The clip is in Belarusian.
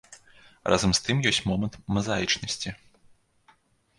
Разам з тым ёсць момант мазаічнасці.